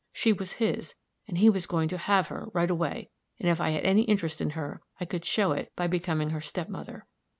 She was his, and he was going to have her, right away; and if I had any interest in her, I could show it by becoming her step mother.